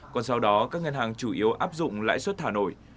còn sau đó các ngân hàng chủ yếu áp dụng lãi suất thả nổi